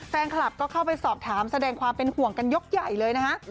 แฟนคลับก็เข้าไปสอบถามแสดงความเป็นห่วงกันยกใหญ่เลยนะฮะ